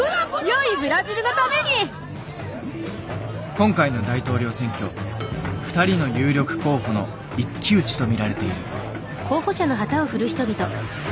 今回の大統領選挙２人の有力候補の一騎打ちと見られている。